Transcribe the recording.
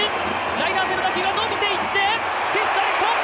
ライナー性の打球が伸びていって、フェンスダイレクト！